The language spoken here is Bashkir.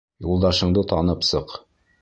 Юлдашыңды танып сыҡ.